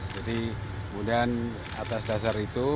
jadi kemudian atas dasar itu